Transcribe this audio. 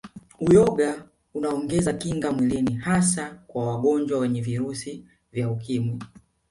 Uyoga unaongeza kinga mwilini hasa kwa wangonjwa wa Virusi vya Ukimwi